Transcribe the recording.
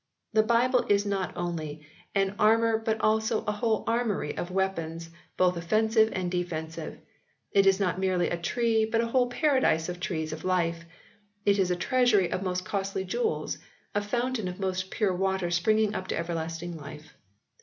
The Bible is not only an armour 108 HISTORY OF THE ENGLISH BIBLE [OH. but also a whole armoury of weapons both offensive and defensive ; it is not merely a tree but a whole paradise of trees of life. It is a treasury of most costly jewels, a fountain of most pure water springing up unto everlasting life.